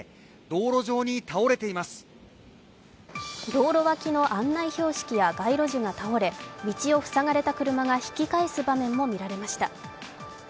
道路脇の案内標識や街路樹が倒れ道を塞がれた車が引き返す場面も見られました。